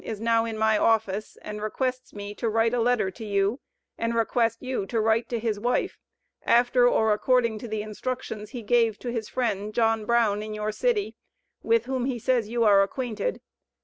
is now in my office, and requests me to write a letter to you, and request you to write to his wife, after or according to the instructions he gave to his friend, John Brown, in your city, with whom he says you are acquainted.